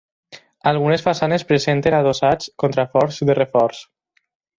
Algunes façanes presenten adossats contraforts de reforç.